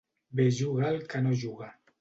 Bé juga el que no juga.